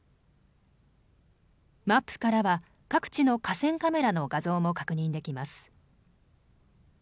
マップからは各地の河川カメラの画像も確認できます。